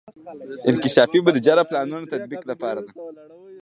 انکشافي بودیجه د پلانونو تطبیق لپاره ده.